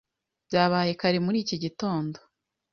Byabaye kare muri iki gitondo.